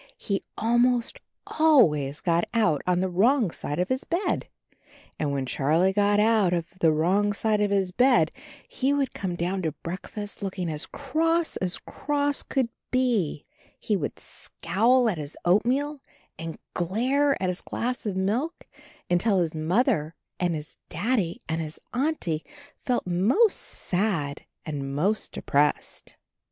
He al most always got out on the wrong side of his bed. And when Charlie got out of the wrong side of his bed, he would come down to break fast looking as cross as cross could be — he 50 CHARLIE would scowl at his oatmeal and glare at his glass of milk, until his Mother and his Daddy and his Auntie felt most sad and most de pressed.